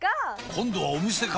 今度はお店か！